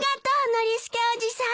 ノリスケおじさん。